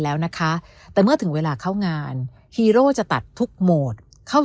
แล้วนะคะแต่เมื่อถึงเวลาเข้างานฮีโร่จะตัดทุกโหมดเข้า